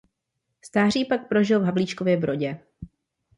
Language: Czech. Stáří pak prožil v Havlíčkově Brodě.